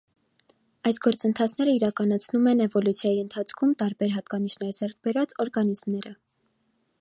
Այս գործընթացները իրականացնում են էվոլյուցիայի ընթացքում տարբեր հատկանիշներ ձեռք բերած օրգանիզմները։